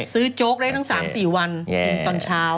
โจ๊กได้ทั้ง๓๔วันตอนเช้า